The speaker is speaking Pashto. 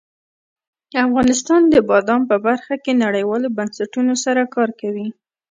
افغانستان د بادام په برخه کې نړیوالو بنسټونو سره کار کوي.